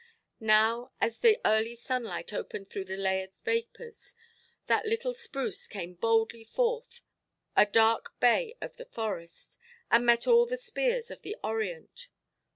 Now, as the early sunlight opened through the layered vapours, that little spruce came boldly forth a dark bay of the forest, and met all the spears of the orient.